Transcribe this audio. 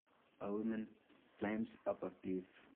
A woman climbs up a cliff